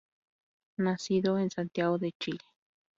Nacido en Santiago de Chile.